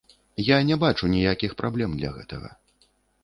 Я не бачу ніякіх праблем для гэтага.